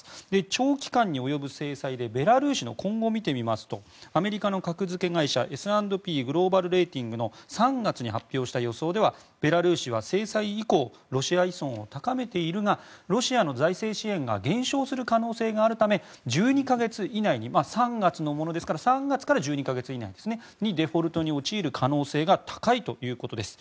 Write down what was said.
長期間に及ぶ制裁でベラルーシの今後を見てみますとアメリカの格付け会社Ｓ＆Ｐグローバル・レーティングが３月に発表した予想ではベラルーシは制裁以降ロシア依存を高めているがロシアの財政支援が減少する可能性があるため１２か月以内に３月のものですから３月から１２か月以内にデフォルトに陥る可能性が高いということです。